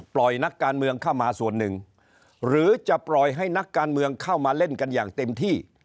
นักการเมืองเข้ามาส่วนหนึ่งหรือจะปล่อยให้นักการเมืองเข้ามาเล่นกันอย่างเต็มที่